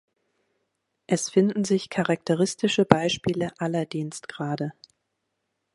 Es finden sich charakteristische Beispiele aller Dienstgrade.